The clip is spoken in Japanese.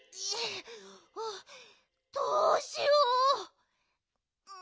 どうしよう。